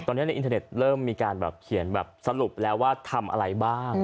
ตอนนี้ในอินเทอร์เน็ตเริ่มมีการแบบเขียนแบบสรุปแล้วว่าทำอะไรบ้าง